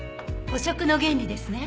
補色の原理ですね。